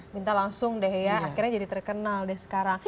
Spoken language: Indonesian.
minta langsung deh ya akhirnya jadi terkenal deh sekarang